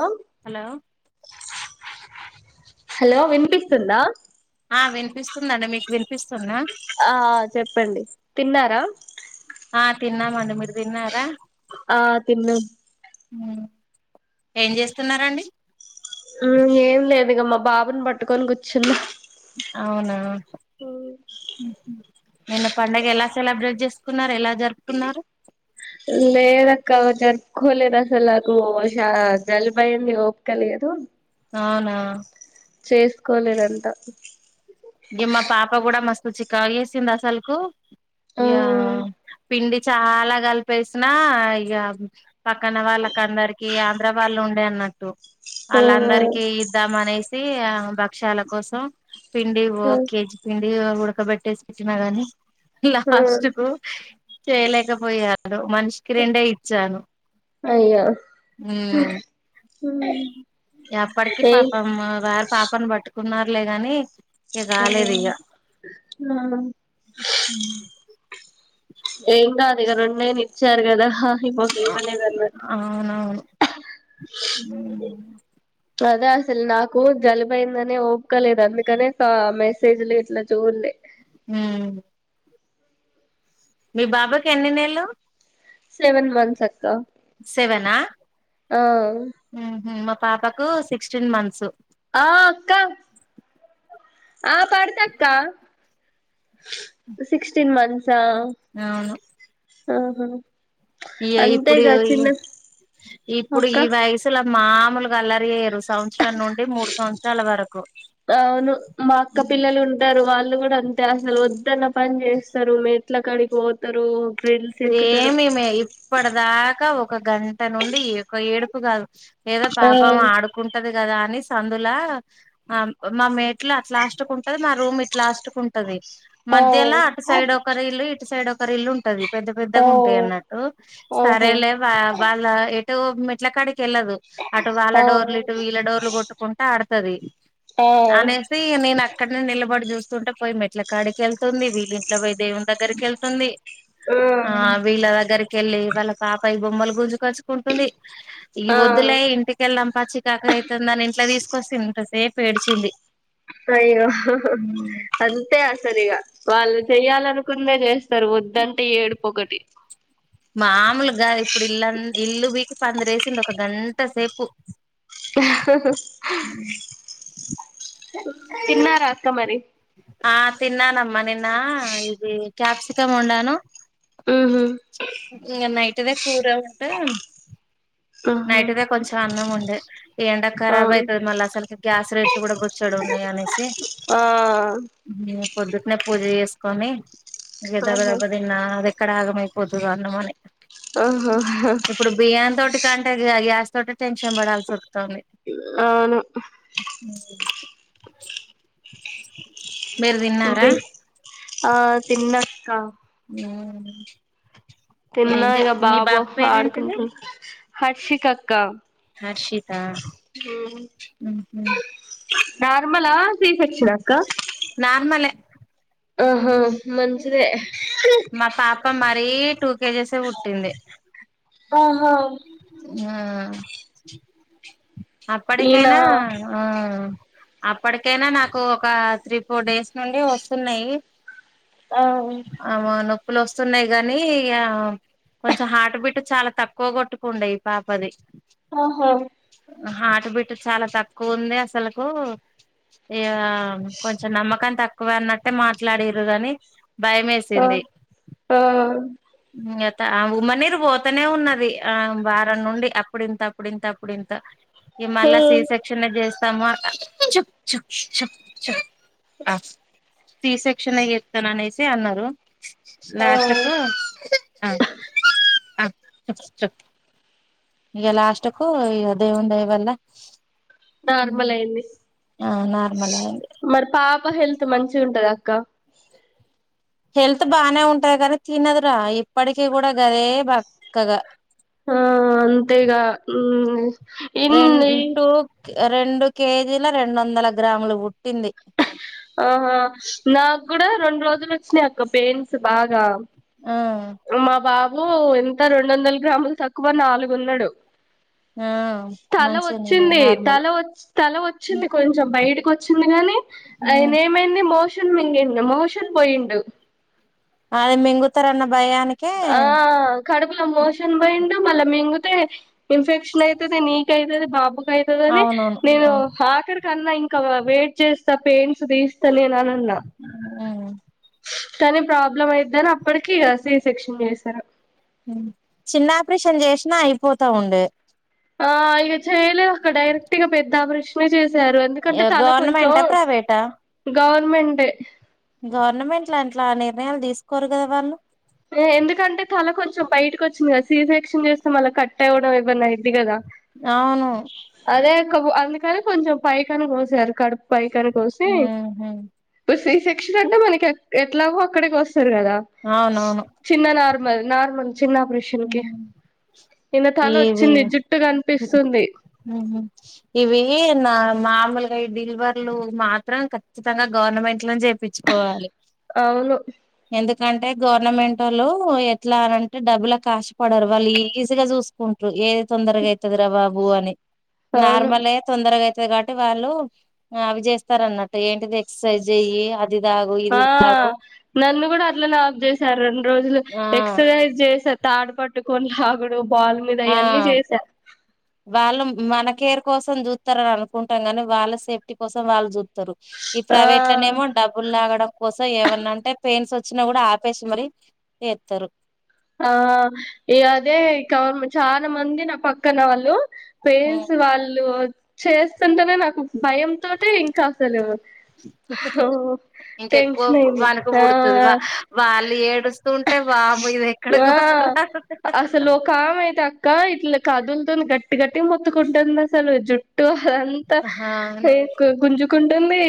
ఆ hello hello వినిపిస్తుందా ఆ వినిపిస్తుందిండి మీకు వి ఆ చెప్పండి తిన్నారా ఆ తిన్నా మ మీరు తిన్నార ఆ తిన్న ఏం చేస్తున్నారండి మ్మ్ ఏం లేదు ఇగ మా బాబుని పట్టుకొని కూర్చుంది అవునా నిన్న పడుగ ఎలా సెలబ్రేట్ చేసుకున్నారు ఎలా జరుపుకున్నారు లేదక్క జర్పుకులేదసలష జల్బయని ఒపుకలి అదు అవునా చేసుకోలేదంత సచిక వేసింది అసలుకు ఆ యా పిడి చాలా కలిపేసినా ఇక పక్కన వాళ్ళక అందరికి ఆంధ్ర వాళ్ళు ఉండే అన్నట్టు ఆ వాళ్ళ అందరికిీ ఇద్దామనే ఆ భక్ష్యాల కోసం అండి ఓ ఆ కేజీ పిం ఉుడకబట్టేసి పెచ్చ మగానీ లా ఆ అస్కు చేయలేకపోయాద మనిషికి రెండే ఇచ్చాను అయ్యో ఉమ్ ఎప్పటికిీ ఏయ్ పాపం వే పాపం బటు కున్నారులే గాని ఇగ కదే కాలేదు ఇగ ఆ ఏం కాదు ఇగ రెండేలు ఇచ్చారు కదా హా [inaudible] మలేదన్నట్ అవునవును కదా అసలు నాకు జలుబయ్యిందనే ఓపికలేదు అందుకనే ఆ మెసేజ్లు ఇట్లా చూడలే ఊ మీ బాబుకి ఎన్ని నెల్లు సెవెన్ మంత్స్ అక్కా సెవెన్ ఆ ఊహూ మా పాపకు సిక్స్టీన్ మంత్సు ఆ అక్క ఆ పడతక్క సిక్స్టీన్ మన్ హుంసా అవును ఆహా ఇగ ఇప్పుడు అంతేగా చిన్న ఇప్పుడు అక్క ఈ వయసుల మాములుగా అల్లరి చేయరు సంవత్సరం నుండి మూడు సంవత్సరాల వరకు అవును మా అక్క పిల్లలు ఉంటారు వాళ్ళు కూడా అంతే అసలు వద్దన్న పని చేస్తారు మేట్ల కడిగి పోతారు గ్రిల్స్ ఎక్కుతారు సేమ్ మేము ఇప్పటి దాకా ఒక గంట నుండి ఒక ఏడు ప్పు కాదు ఏదో ఆ పాపం ఆడుకుంటది కదా అని కానీ సందులా మా మేట్లు అట్లా లాస్ట్కుంటది మా రూమ్ ఇట్లా లా ఆ మధ్యలా అటు సైడ్ ఒక రీలు ఇల్ ఇటు సైడ్ ఒక రీలు రీల్ ఉంటది పెద్ద ఓ పెద్దగా ఉంటాయి అన్నట్టు ఓహో సరేలే వా వాళ్ళ మేట్లా కాడికి తెళ్ళదు అటు వాళ్ళ ఆ డోర్లు ఇటు వీళ్ళ డోర్లు కొట్టుకుంటా ఆడ సరీ ఆ అనేసి నేను అక్కడే నేను నిలబడి చూస్తుంటే పోయి మెట్ల కాడికి వెళ్తుంది వీళ్ళ ఇంట్ల పోయి దేవుని దగ్గరికి వెళ్తుంది ఆ విల దగ్గర రిక వెళ్లి వాళ్ళ పాప గుమ్మలు గుజలు చుకుంటుంది ఈ ఆ ఆ వద్దులే ఇంటికెళ్ళం పచ్చి కాక అయితుంది దాన్ని ఇంట్లో తీసుకొస్థి ఇంత సేపు ఏడిచింది అయ్యో అంతే సరిగా వాళ్ళు చెయ్యాలనుకుందే చేస్తారు వద్దంటే ఏడుపు ఒకటి మామలుగాదు ఇప్పుడు ఇల్ంద ఇల్లు బికి పందరేసింది ఒక గంట సేపు [unintelligible] తిన్నారా అక్క మరి ఆ తిన్నానమ్మా నిన్న ఇది క్యాప్సకం వొండను ఉహు ఇంగ నైట్ ఇటనే కూరంవంటే ఆహా నైట్ దే కొంచెం అన్నం ఉండ అ ఎండా కరాబ్ అవును అవుతుది మళ్ళీ అసలుకి గ్యాస్ రేట్లు కూడా బొచ్చడు ఉన్నాయి అనేసి ఆ న పొద్దుటనే పూజ చేస్త కొని ఇగ దబ ఆహా దబ తిన్న అది ఎక్కడ ఆగమై పొదుగా అన్నమని ఆహా టే గ్యాస్ తోటే టెన్షన్ పడాల్సి వస్తుంది అవును [unintelligible] మీరు తిన్నారా బి ఆ తిన్నా అక్క ఆ తిన్నా ఇక బాబో పేరేంటిది ఆడుకుంటు హర్షిక అక్క ఆ నా రూమ్ నార్మల సిజెక్షన్ అక్క నార్మలే ఆహా మంచిదే మా పాప మరీ టూ కేజేసే పుట్టింది ఆ ఆ ఆ ఈయన అప్పటికైనా ఆ అప్పటికైనా నాకు ఒక త్రీ ఫోర్ డేస్ నుండి వస్తున్నాయి ఆ ప్పులు వస్తున్నాయి కాగానీ కొంచెం హార్ట్ బీట్ చాలా తక్కువ కొట్టు పుండే ఈ పాపది ఆహా హాటు బిట్ చాలా తక్కువ ఉంది అసలుకు ఇగ ఆ కొంచెం నమ్మకం తక్ కువన్నట్టే మాట్లాడిరు గాని భయం ఆ వేసింది ఆ ఆ ఉమ్మనీరు పోతనే ఉన్నది ఆ వారం నుండి అప్పుడింత అప్పుడింత అప్పుడింత ఈ ఆ మల్ల సి సెక్షన్ జేస్ టమాట చు చు చు అ ఫీ సెక్షనే చేతన్ అనేసి తే అన్నారు లాస్ట్ అవు కు ఆ ఆ స చెప్ ఇగా లాస్టుకు ఇగా దేవుని దయవల్ల నార్మల్ అయింది నార్మల్ అయింది మరి పాప హెల్త్ మంచి ఉంటదా అక్క హెల్త్ బాగానే ఉంటది కానీ తినదురా ఇప్పటికీ కూడా గదే బక్కగా ఆ అంతేగా ఉమ్ అ రెం ఇన్ని టూ రెండు కేజీల రెండు వందల గ్రాములు పుట్టింది ఆహా నాకు కూడా రెండు రోజులు వచ్చినాయి అక్క పెయిన్స్ బాగా ఆ ఉ ఎంత రెండు వందల గ్రాములు తక్కువ నాలుగున్నాడు ఆ తల మంచిగానే ఉన్నది వచ్చింది నార్మల్ తల వాచి తల వచ్చింది కొంచెం బయటకి వ వచ్చింది గానీ మ్మ్ అయినేమయిని మోషే మోషన్ మిగిండు మోషన్ పోయిండు అదే మింగుతారన్నా ఆ కడుపుల మోషన్ పోయి డు మళ్ళా మింగుతే ఇన్ఫెక్షన్ అయితుది నీకు అయితుంది బాబు అయితదని అవునవును నేను అవును హకర్ కన్నా ఇంకా వెయిట్ చేస్తా పెయిన్స్ ది తెలియని గానీ అనన్నా మ్మ్ కానీ ప్రాబ్లమ్ అయిది అని అప్పడికి ఇగా సి సెక్షన్ చేస్తారు ఉమ్ చిన్న ఆపరేషన్ చేసినా అయిపోతా ఉండే ఆ ఇక చేయలే అక్క డైరెక్ట్ ఇంకా పెద్ద ఆపరేషన్ చెస్ ఏ గవర్నమెంటా ప్రైవేటా గవర్నమెంట్ గవర్నమెంట్ల అంట్లా నిర్ణయాలు తీసుకోరు కదా వాలు ఎందుకంటే తల కొంచెం బయటకి వచ్చింది కదా సి సెక్షన్ చేస్తే మళ్ళా కట్ అవ్వడం ఏమన్నా అయిది కదా అవును కావు అందుకని కొంచెం పైకి అని కోసారు కడుప పైకరటోసి మ్మ్ హ్మ్ పోసి సెక్షన్ అంటే మనకి ఎట్లాగో అక్కడే గోస్ తరు కదా అవునవును నార్మల్ నార్మల్ చిన్న ఆపరేషన్ కి నిన్న తల ఇవి వచ్చింది జుట్టు కనిపిస్తుంది ఇవి నా మామూలుగా డీల్వర్లు మాత్రం ఖచ్చితంగా గవర్నమెంట్ లా చుకోవాలి అవును ఎందు అంటే గవర్నమెంటోళ్లు ఎట్లా అన అంటే డబ్బులు కాషపడరు వాళ్ళు ఈజీ గా చూసుకుంటారు ఏది తొందరగా అవుతుది రా బాబు అని అవును నార్మలే తొందరగయితే కాబట్టి వాళ్ళు అవి చేస్తరు అన్నట్టు ఏంటిది ఎక్సర్సైజ్ చెయ్యి అది తాగు ఆ ఇది తాగు నన్ను కూడా అట్లానే ఆపేసి స రొండు రోజులు ఆ ఎక్ససైజ్ ది తాడు పట్టుకోనిలాగుడు ఆ వాళ్ళు మనకేర్ కోసం చూస్తారు అని అనుకుంటాం కానీ వాళ్ళ సేఫ్టీ కోసం వాళ్ళు చూసు తరు ఈ ఆ ప్రైవేట్ లనేమో డబ్బులు లాగడం కోసం ఏమన్నా అంటే పెయిన్స్ వచ్చినా కూడా ఆపేసి మరి చేస్తరు ఆ ఇగ అదే చాలా మంది నా పక్కన వాళ్ళు పేయిన్స్ వాళ్ళు చేస్తుంటేనే నాకు భయంతోటి ఇంకా అసలు ఇంకెక్కువ టెన్షన్ అయింది వణుకు ఆ పుడుతది వా వాళ్ళు ఏడుస్తుంటే వామ్మో ఇది ఎక్కడ ఆ కోసరా అసలు ఒక ఆమె అయితే అక్క ఇల కాదులుతుంది గట్టి గట్టి మొత్తుకుంటుంది అసలు జుట్టు అంతా అవును గుంజుకు తంది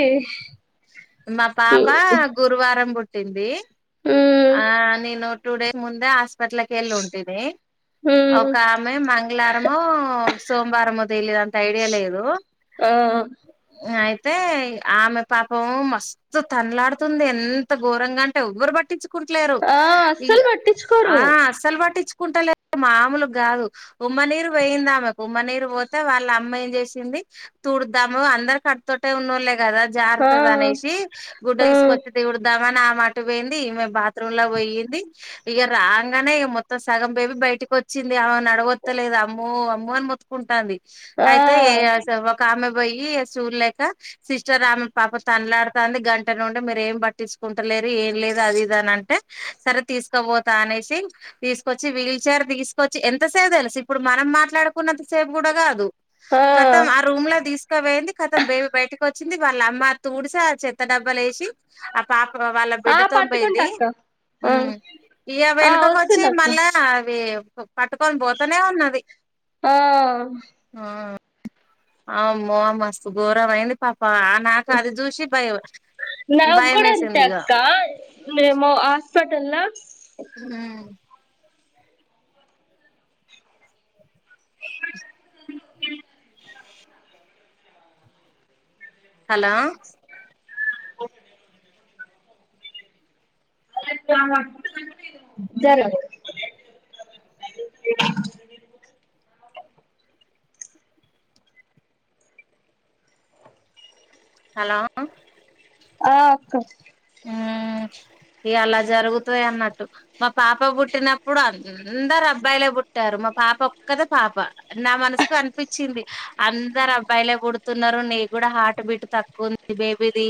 ఉ మా పాపా గురువారం బుట్ ఎంది మ్మ్ ఆ నేను టూ డేస్ ముందే హాస్పిటల్కి వెళ్ళి ఉంటేంది మ్మ్ ఒక ఆమె మంగళారము సోమవారం మో తెలియదు అంత ఐడియా లేదు ఆ అ అయితే ఆమె పాపం మస్తు తన్లాడుతుంది ఎంత ఘోరంగా అంటే ఎవ్వరు పట్టించు లేరు ఆ అస్సలు పట్టించుకోరు ఆ అస్సలు పట్టించుకు కుంటలేరు మామలు కాదు ఉమ్మ నీరు పోయయిందా ఉమ్మనీరు పోతే వాళ్ళ అమ్మ ఏం చేసింది తూడుద్దాము అందరు కట్టుతోటే ఉన్నోళ్లే కదా ఆ జారుతంది అనేసి గుడ్డ ఆ తీసుకొచ్చి తుడుద్దామని మాట్ పోయింది ఈమె త్రంలా పోయయింది ఇక రాంగానే ఇక మొత్తం సగం బేబీ బయటకి వచ్చింది ఆను అడగొత్తలేదు అమ్మో అమ్మో అని మొతుకుంటాంది ఆ ఆయితే ఏ ఒక ఆమె పోయి చూడలేక సిస్టర్ ఆమె పాప తనలాడుతంది గంట నుండి మీరు ఏం పట్టిసుకుంటలేరు ఏం లేదు అది ఇదని అంటే సరే తీసుకోపోతా అనేసి తీసుకొచ్చి వీల్ చైర్ తీసుకొచ్చి ఎంత సేపు తెలుసు ఇప్పుడు మనం మాట్లాడుకున్నంత సేపు కూడా కాదు ఆ కతం ఆ రూమ్ లో తీసు కపోయింది కథం బేబీ బయటకి వచ్చింది వాళ్ళ అమ్మ తుడిసి ఆ చెత్త డబ్బాలు వేసి ఆ పాప వాళ్ళ ఆ బిడ్డతో పట్టుకుంటా పోయింది అక్క ఆ మ్మహ్ ఆ వెనుకకచ్చి వస్తున్నా అక్క మళ్ళా అవి పట్టుకొని పోతనే ఉన్నది ఆ ఆ మస్తు గోరమైంది పాప ఆ నాకు అది చూసి భయం భయం వేసింది ఇక మేమో అస్ పటల్లా మ్మహ్ హలో ఓ జర హలో ఆ అక్క మ్మ్ ఇగ అలా జరుగుతాయి అన్నట్టు మా పాప పుట్టినప్పుడు అందరు అబ్బాయిలే పుట్టారు మా పాప ఒక్కద పాప నా మనసుకు అనిపించింది అందరు అబ్బాయిలే పుడుతున్నారు నీ కూడా హార్ట్ బీట్ తక్కువంది బేబీది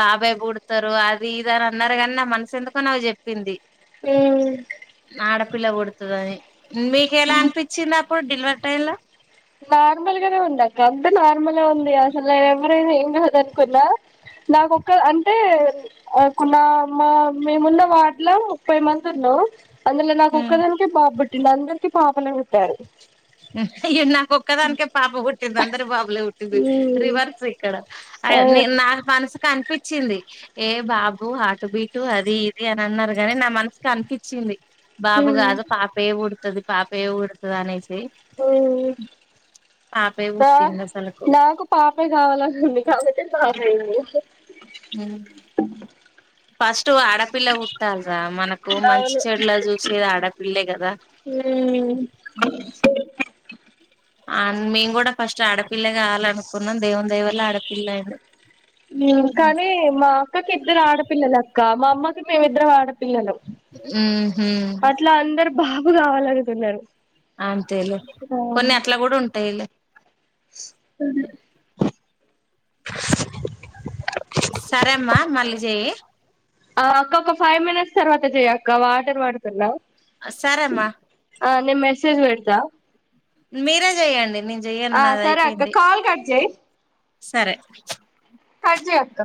బాబాయ్ పుడు చెతారు అది ఇదాని అన్నారు కాని నా మనసు ఎందుకో నాక్ చెప్పింది మ్మ్ ఆడపిల్ల పుడతాదని మీకెలా అనిపించింది అప్పుడు డెలివర్ టైమ్ ల నార్మల్గానే ఉంది అక్క అంత నార్మల్ ఉంది అసలు ఎవరైనా ఏం కాదు అనుకున్నా నాకొక్క అంటే నా మా మేమున్న వార్డ్లా ముప్పై మంది ఉన్నా అందులో నాకు ఒక్కదానికే బాబు నందరికి పాపలే పుట్టారు ఎన్నా ఒక్కొదానికె పాప పుట్టింద్ [unintelligible] [unintelligible] రివర్స్ ఇక్కడ అదే నాక్ మనసుకి అన్ అనిపించింది ఏ బాబు హటు బీటు అది ఇది అని అన్నారు గాని నా మనసుకు కనిపించింది బాబుగాదు పాపయే పూడ్ ది పాపే పుడుతది ఊ పాపే పుట్టింది అసలుకు నాకు పాపే కావాలఉంది కాబట్టి పాపయింది ఫస్ట్ ఆడపిల్ల పిల్ల పుట్టాల్రా మనకు మంచి అవును చెడులా చూసేది ఆడపిల్ల కదా మేము కూడా ఫస్ట్ ఆడపిల్ల కావాల అనుకున్నాం దేవుందాయ ఆడపిల్ల అయింది. కానీ మా అక్కకి ఇద్దరు ఆడపిల్లలక్క మా అమ్మకి మేమిద్దరం ఆడపిల్లలం హుహు అట్లా అందరు బాబు కావాలనుకున్నరు అంతేలే కొన్ని అట్లా కూడా ఉంటైలె అ సరే అమ్మా మళ్ళీ చెయి అక్క ఒక ఫైవ్ మినిట్స్ తర్వాత చెయక్క వాటర్ పడుతున్నా సరే అమ్మా ఆ నే మెసేజ్ పెడతా మీరేజెయ్యండి ఆ సరే అక్క కాల్ కట్ చెయ్ సరే కట్ చెయ్ అక్క